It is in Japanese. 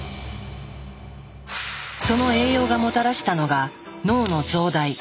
その栄養がもたらしたのが脳の増大。